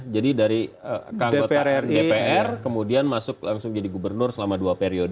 jadi dari kanggota dpr kemudian masuk langsung jadi gubernur selama dua periode